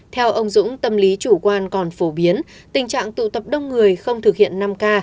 theo ông dũng tâm lý chủ quan còn phổ biến tình trạng tụ tập đông người không thực hiện năm k